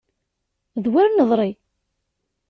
D wer neḍri!